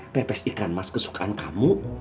pepes ikan emas kesukaan kamu